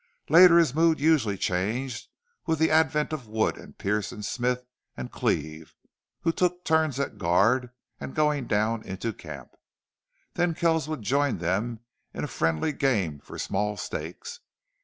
Later his mood usually changed with the advent of Wood and Pearce and Smith and Cleve, who took turns at guard and going down into camp. Then Kells would join them in a friendly game for small stakes.